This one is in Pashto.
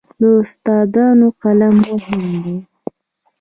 د استادانو قلم مهم دی.